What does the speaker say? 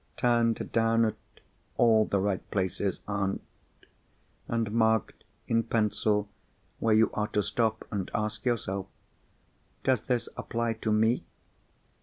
Turned down at all the right places, aunt. And marked in pencil where you are to stop and ask yourself, 'Does this apply to me?